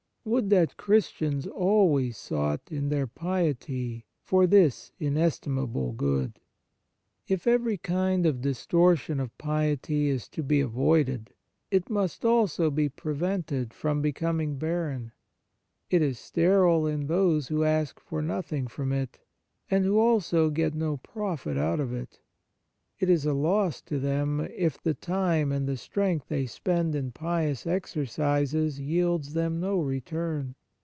Would that Christians always sought in their piety for this inestimable good ! If every kind of distortion of piety is to to avoided, it must also be pre vented from becoming barren. It is 102 The Fruits of Piety sterile in those who ask for nothing from it, and who also get no profit out of it. It is a loss to them, if the time and the strength they spend in pious exercises yields them no return.